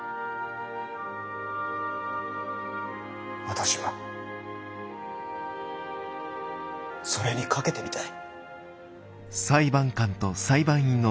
私はそれにかけてみたい。